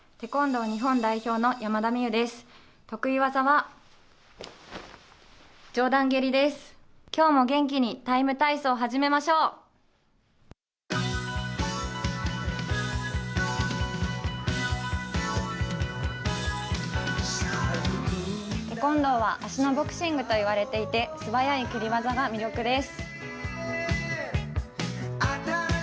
テコンドーは足のボクシングといわれていて素早い蹴り技が魅力です。